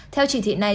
theo chỉ thị này